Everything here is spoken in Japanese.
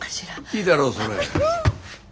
いいだろうそれ。